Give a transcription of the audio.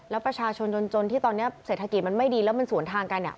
แล้วประชาชนจนที่ตอนนี้เศรษฐกิจมันไม่ดีแล้วมันสวนทางกันเนี่ย